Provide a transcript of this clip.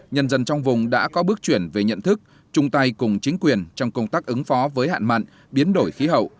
nhân dân trong vùng đã có bước chuyển về nhận thức chung tay cùng chính quyền trong công tác ứng phó với hạn mặn biến đổi khí hậu